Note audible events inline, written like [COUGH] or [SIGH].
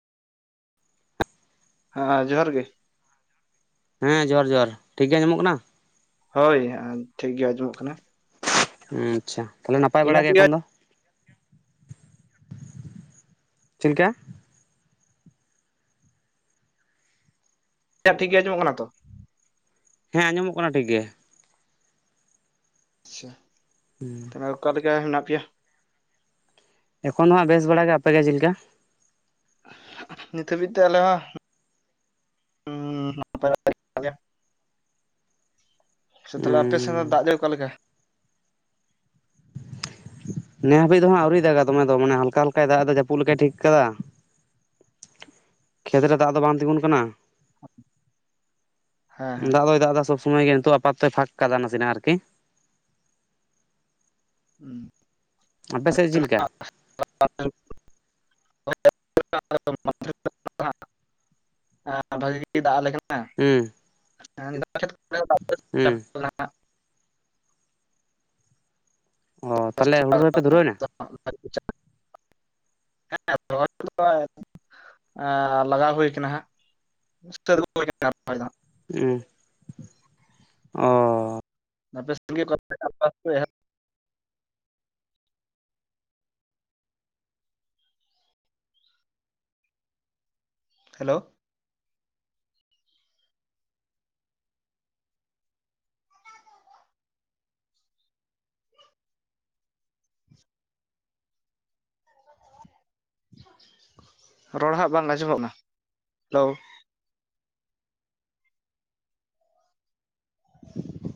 ᱦᱮᱸ ᱡᱚᱦᱟᱨ ᱜᱮ, ᱦᱮᱸ ᱡᱚᱦᱟᱨ ᱡᱚᱦᱟᱨ, ᱴᱷᱤᱠ ᱜᱮ ᱟᱸᱡᱚᱢᱚᱜ ᱠᱟᱱᱟ? ᱦᱳᱭ ᱴᱷᱤᱠ ᱜᱮ ᱟᱸᱡᱚᱢᱚᱜ ᱠᱟᱱᱟ᱾ ᱟᱪᱪᱷᱟ ᱛᱟᱦᱞᱮ ᱱᱟᱯᱟᱭ ᱵᱟᱲᱟ ᱤᱧᱟᱹᱜ ᱜᱮ ᱴᱷᱤᱠ ᱮᱠᱷᱚᱱ ᱫᱚ? ᱪᱮᱫ ᱞᱮᱠᱟ! ᱤᱧᱟᱜ ᱴᱷᱤᱠ ᱜᱮ ᱟᱸᱡᱚᱢᱚᱜ ᱠᱟᱱᱟ ᱛᱚ? ᱦᱮᱸ ᱟᱸᱡᱚᱢᱚᱜ ᱠᱟᱱᱟ ᱴᱷᱤᱠ ᱜᱮ ᱾ ᱟᱪᱪᱷᱟ, ᱦᱩᱸ, ᱚᱱᱟ ᱚᱠᱟ ᱨᱮᱜᱮ ᱮᱱᱟ ᱯᱮᱭᱟ? ᱮᱠᱷᱚᱱ ᱫᱚ ᱦᱟᱸᱜ ᱵᱮᱥ ᱵᱟᱲᱟ ᱜᱮ ᱟᱯᱮ ᱜᱮ ᱡᱤ ᱞᱮᱠᱟ? ᱱᱤᱛ ᱦᱟᱹᱵᱤᱡ ᱛᱮ ᱟᱞᱮ [INAUDIBLE] ᱥᱮ ᱛᱟᱦᱚᱞᱮ ᱟᱯᱮ ᱥᱮᱱ ᱫᱚ ᱫᱟᱜ ᱜᱮ ᱚᱠᱟ ᱞᱮᱠᱟ? [UNINTELLIGIBLE] ᱱᱮ ᱦᱟᱹᱵᱤᱡ ᱫᱚ ᱦᱟᱸᱜ ᱟᱹᱣᱨᱤ ᱫᱟᱜᱟ ᱫᱚᱢᱮ ᱫᱚ ᱢᱟᱱᱮ ᱦᱟᱞᱠᱟ ᱦᱟᱞᱠᱟᱭ ᱫᱟᱜ-ᱫᱟ ᱡᱟᱹᱯᱩᱫ ᱞᱮᱠᱟᱭ ᱴᱷᱤᱠ ᱠᱟᱫᱟ ᱾ ᱠᱷᱮᱛ ᱨᱮ ᱫᱟᱜ ᱫᱚ ᱵᱟᱝ ᱛᱤᱸᱜᱩᱱ ᱠᱟᱱᱟ, ᱦᱮᱸ ᱦᱮᱸ ᱫᱟᱜ ᱫᱚᱭ ᱫᱟᱜ ᱮᱫᱟ ᱥᱚᱵᱽ ᱥᱚᱢᱚᱭ ᱜᱮ ᱱᱤᱛᱚᱜ ᱟᱯᱟᱛᱚᱛᱚᱭ ᱯᱷᱟᱸᱠ ᱠᱟᱫᱟ ᱱᱟᱥᱮ ᱱᱟᱜ ᱟᱨᱠᱤ, ᱦᱩᱸ, ᱟᱯᱮ ᱥᱮᱫ ᱡᱤ ᱞᱮᱠᱟ? [INAUDIBLE] ᱦᱮᱸ ᱵᱷᱟᱹᱜᱮ ᱜᱮ ᱫᱟᱜ ᱟᱞᱮ ᱠᱟᱱᱟ ᱾ ᱦᱩᱸ, ᱦᱩᱸ [INAUDIBLE] ᱚ ᱛᱟᱦᱞᱮ ᱦᱩᱲᱩ ᱨᱚᱦᱚᱭ ᱯᱮ ᱫᱷᱩᱨᱟᱹᱣ ᱮᱱᱟ? [INAUDIBLE] [INAUDIBLE] ᱦᱮᱸ ᱞᱟᱜᱟᱣ ᱦᱳᱭ ᱠᱟᱱᱟ ᱦᱟᱸᱜ, [INAUDIBLE] ᱦᱩᱸ, ᱟᱯᱮ [INAUDIBLE] ᱦᱮᱞᱳ, ᱨᱚᱲ ᱦᱟᱸᱜ ᱵᱟᱝ ᱟᱸᱡᱚᱢᱚᱜ-ᱱᱟ, ᱦᱮᱞᱳ [INAUDIBLE]